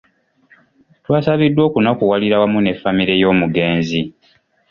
Twasabiddwa okunakuwalira awamu ne famire y'omugenzi.